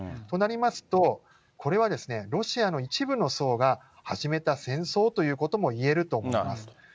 となりますと、これはロシアの一部の層が始めた戦争ということも言えると思います。